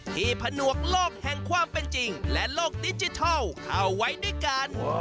ผนวกโลกแห่งความเป็นจริงและโลกดิจิทัลเข้าไว้ด้วยกัน